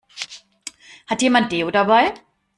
Hat jemand Deo dabei?